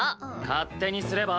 勝手にすれば。